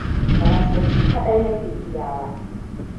Faransanci kaɗai na ke iyawa.